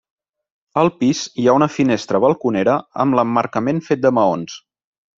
Al pis hi ha una finestra balconera amb l'emmarcament fet de maons.